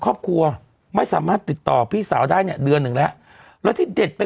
ครอบครัวไม่สามารถติดต่อพี่สาวได้เนี่ยเดือนหนึ่งแล้วแล้วที่เด็ดไป